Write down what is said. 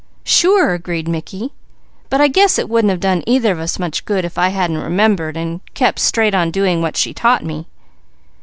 "Sure!" agreed Mickey. "But I guess it wouldn't have done either of us much good if I hadn't remembered and kept straight on doing what she taught me."